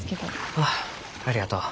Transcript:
あありがとう。